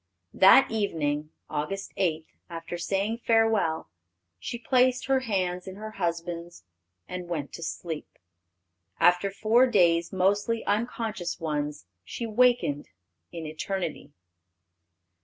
That evening, Aug. 8, after saying farewell, she placed her hand in her husband's, and went to sleep. After four days, mostly unconscious ones, she wakened in eternity.